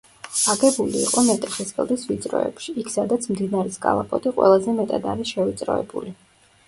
აგებული იყო მეტეხის კლდის ვიწროებში, იქ სადაც მდინარის კალაპოტი ყველაზე მეტად არის შევიწროებული.